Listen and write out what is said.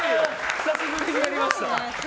久しぶりにやりました。